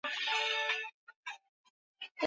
Siku si nyingi sana